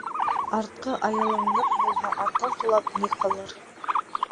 Артҡы айылың ныҡ булһа, атың тулап ни ҡылыр